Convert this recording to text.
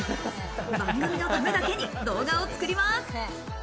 番組のためだけに動画を作ります。